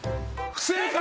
不正解。